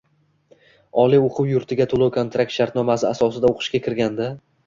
Oliy o‘quv yurtiga to‘lov -kontrakt shartnoma asosida o‘qishga kirganda